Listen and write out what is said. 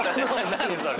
何それ？